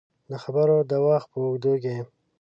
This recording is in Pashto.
د خبرو د وخت په اوږدو کې